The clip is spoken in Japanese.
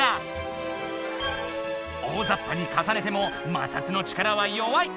大ざっぱにかさねても摩擦の力は弱い。